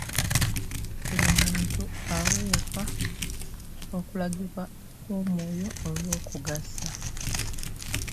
Buli muntu aweebwa okulagibwa kw'Omwoyo olw'okugasa.